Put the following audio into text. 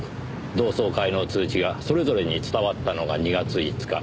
同窓会の通知がそれぞれに伝わったのが２月５日。